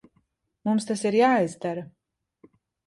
Mums tas ir jāizdara.